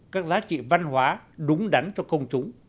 các giá trị văn hóa đúng đắn cho công chúng